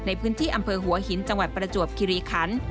ในพื้นที่อำเภอหัวหินจังหวัดประจวบคิริคัน